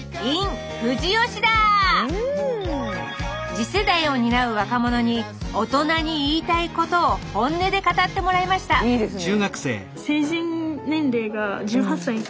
次世代を担う若者に「大人に言いたいこと」を本音で語ってもらいましたいいですね。